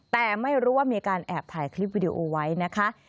แต่ไม่รู้ว่ามีการแอบถ่ายคลิปวิดีโอไว้นะคะ